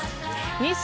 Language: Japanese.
日清